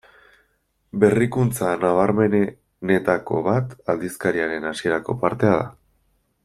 Berrikuntza nabarmenenetako bat aldizkariaren hasierako partea da.